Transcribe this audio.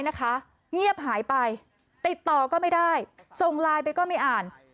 เงียบหายไปติดต่อก็ไม่ได้ส่งไลน์ไปก็ไม่อ่าน